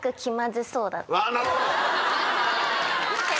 なるほど！